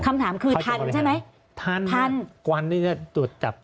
คำถามคือทันใช่ไหมทันควันนี้จะตรวจจับ